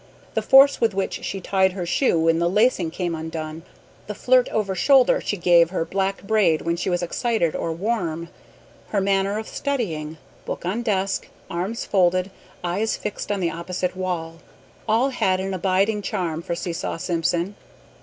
The force with which she tied her shoe when the lacing came undone, the flirt over shoulder she gave her black braid when she was excited or warm, her manner of studying, book on desk, arms folded, eyes fixed on the opposite wall, all had an abiding charm for Seesaw Simpson.